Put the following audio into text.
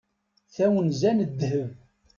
Tawenza n ddheb.